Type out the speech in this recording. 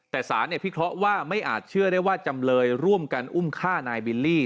แต่สารพิเคราะห์ว่าไม่อาจเชื่อได้ว่าจำเลยร่วมกันอุ้มฆ่านายบิลลี่